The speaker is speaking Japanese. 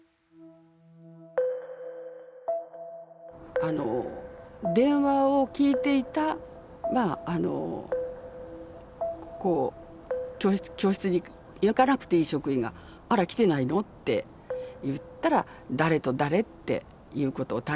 あの電話を聞いていたこう教室に行かなくていい職員が「あら来てないの？」って言ったら誰と誰っていうことを担任が言ったんですね。